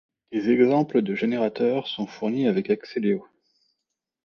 Des exemples de générateurs sont fournis avec Acceleo.